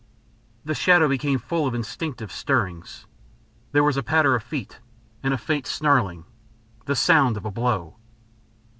The shadow became full of instinctive stirrings. There was a patter of feet, and a faint snarling the sound of a blow.